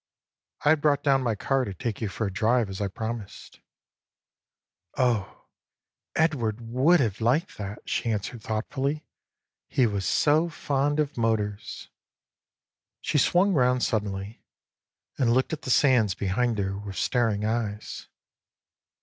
I had brought down my car to take you for a drive, as I promised." " Oh ! Edward would have liked that," she answered thoughtfully ;" he was so fond of motors." She swung round suddenly and looked at the sands behind her with staring eyes.